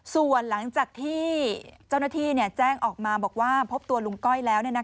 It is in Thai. ส่วนหลังจากที่เจ้าหน้าที่แจ้งออกมาบอกว่าพบตัวลุงก้อยแล้ว